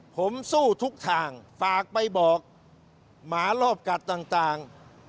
ผมสู้ทุกทางฝากไปบอกหมารอบกัดต่าง